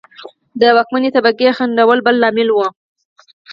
د واکمنې طبقې خنډونه بل لامل و.